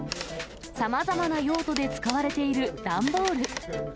さまざまな用途で使われている段ボール。